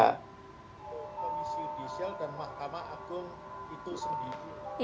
komisi yudisial dan mahkamah agung itu sendiri